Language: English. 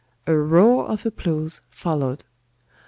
A roar of applause followed.